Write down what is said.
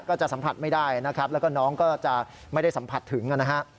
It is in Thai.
ก็จะสัมผัสไม่ได้นะครับแล้วก็น้องก็จะไม่ได้สัมผัสถึงนะฮะ